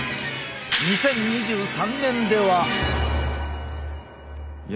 ２０２３年では！